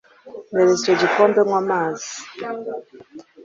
Mpereza icyo gikombe nywe amazi